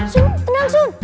sun tenang sun